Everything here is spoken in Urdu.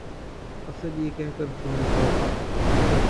افسر یہ کہہ کر فون پر